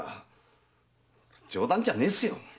冗談じゃねえっすよ！